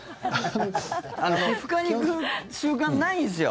皮膚科に行く習慣ないんですよ。